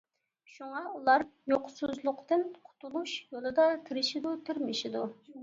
شۇڭا، ئۇلار يوقسۇزلۇقتىن قۇتۇلۇش يولىدا تىرىشىدۇ، تىرمىشىدۇ.